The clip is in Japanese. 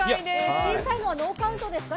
小さいのはノーカウントですか。